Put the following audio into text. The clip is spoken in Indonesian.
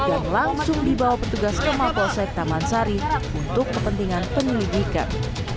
dan langsung dibawa petugas kemal polsek taman sari untuk kepentingan penyelidikan